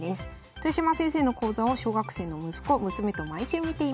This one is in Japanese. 「豊島先生の講座を小学生の息子・娘と毎週見ています。